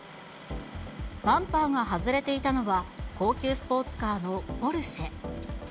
バンパーが外れていたのは、高級スポーツカーのポルシェ。